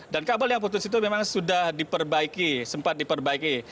dan kabel yang putus itu memang sudah diperbaiki sempat diperbaiki